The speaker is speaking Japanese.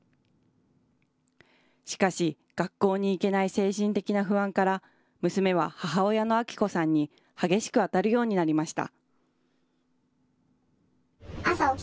しかし、学校に行けない精神的な不安から、娘は母親の明子さんに激しく当たるようになりました。